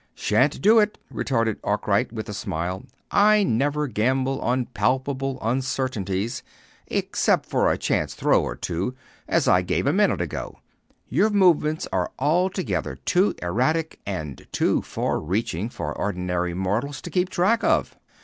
"Sha'n't do it," retorted Arkwright, with a smile. "I never gamble on palpable uncertainties, except for a chance throw or two, as I gave a minute ago. Your movements are altogether too erratic, and too far reaching, for ordinary mortals to keep track of."